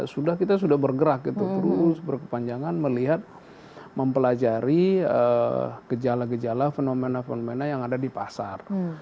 sudah kita sudah bergerak gitu terus berkepanjangan melihat mempelajari gejala gejala fenomena fenomena yang ada di pasar